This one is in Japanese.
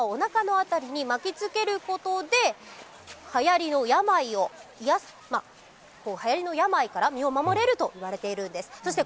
ちのわをおなかの辺りに巻き付けることではやりの病を癒やす、はやりの病から身を守れるといわれているんです。